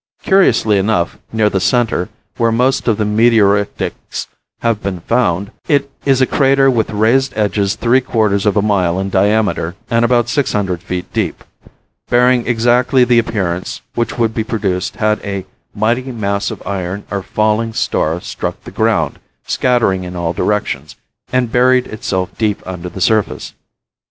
Curiously enough, near the center, where most of the meteoritics have been found, is a crater with raised edges three quarters of a mile in diameter and about six hundred feet deep, bearing exactly the appearance which would be produced had a mighty mass of iron or falling star struck the ground, scattering in all directions, and buried itself deep under the surface.